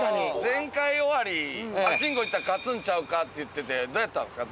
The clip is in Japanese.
前回終わりパチンコ行ったら勝つんちゃうかって言っててどうやったんですか？